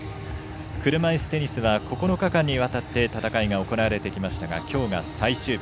車いすテニスは９日間にわたって戦いが行われてきましたがきょうが最終日。